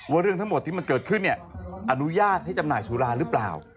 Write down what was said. เรื่องทั้งหมดที่มันเกิดขึ้นเนี่ยอนุญาตให้จำหน่ายสุราหรือเปล่า